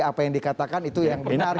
apa yang dikatakan itu yang benar